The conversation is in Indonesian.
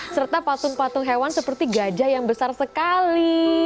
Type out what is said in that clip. serta patung patung hewan seperti gajah yang besar sekali